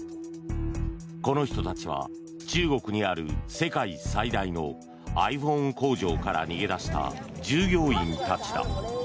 この人たちは中国にある世界最大のｉＰｈｏｎｅ工場から逃げ出した従業員たちだ。